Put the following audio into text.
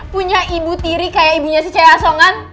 punya ibu tiri kayak ibunya si cewek asongan